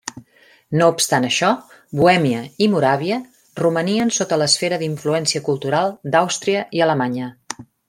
No obstant això, Bohèmia i Moràvia romanien sota l'esfera d'influència cultural d'Àustria i Alemanya.